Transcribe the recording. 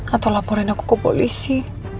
atau laporan aku ke polisi